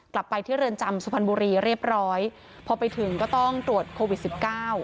กลับไปที่เรือนจำสุพรรณบุรีเรียบร้อยพอไปถึงก็ต้องตรวจโควิดสิบเก้า